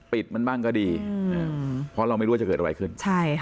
ปิดมันบ้างก็ดีเพราะเราไม่รู้ว่าจะเกิดอะไรขึ้นใช่ค่ะ